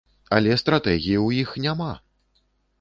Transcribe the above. Але стратэгіі ў іх няма!